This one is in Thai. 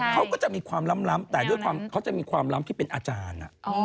เขาก็จะมีความล้ำแต่ด้วยความเขาจะมีความล้ำที่เป็นอาจารย์